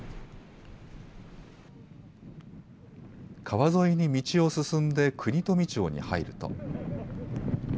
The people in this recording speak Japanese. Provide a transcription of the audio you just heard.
川沿いに道を進んで、国富町に入ると。